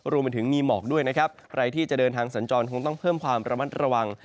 รวมไปถึงมีหมอกด้วยนะครับใครที่จะเดินทางสัญจรคงต้องเพิ่มความระมัดระวัง